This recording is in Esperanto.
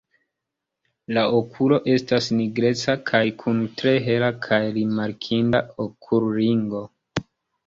La okulo estas nigreca kaj kun tre hela kaj rimarkinda okulringo.